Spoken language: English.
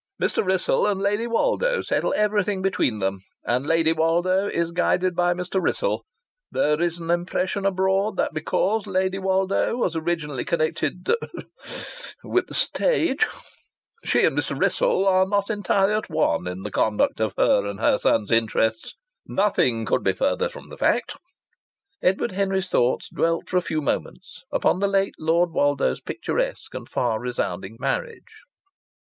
"Mr. Wrissell and Lady Woldo settle everything between them, and Lady Woldo is guided by Mr. Wrissell. There is an impression abroad that because Lady Woldo was originally connected er with the stage, she and Mr. Wrissell are not entirely at one in the conduct of her and her son's interests. Nothing could be further from the fact." Edward Henry's thoughts dwelt for a few moments upon the late Lord Woldo's picturesque and far resounding marriage.